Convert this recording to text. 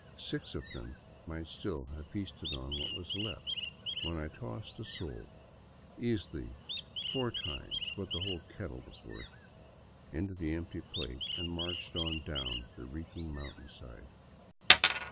Six of them might still have feasted on what was left when I tossed a sol, easily four times the whole kettle's worth, into the empty plate and marched on down the reeking mountainside.